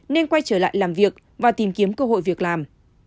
nên quay trở lại làm việc và tìm kiếm cơ hội việc làm